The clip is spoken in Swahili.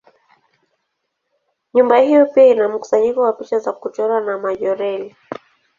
Nyumba hiyo pia ina mkusanyiko wa picha za kuchora za Majorelle.